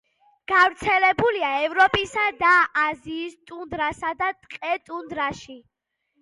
გავრცელებულია ევროპისა და აზიის ტუნდრასა და ტყე-ტუნდრაში.